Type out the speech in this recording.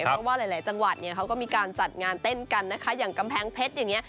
เพราะว่าหลายจังหวัดเนี่ยเขาก็มีการจัดงานเต้นกันนะคะอย่างกำแพงเพชรอย่างนี้